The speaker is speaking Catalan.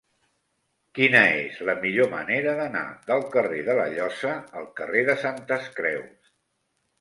Quina és la millor manera d'anar del carrer de la Llosa al carrer de Santes Creus?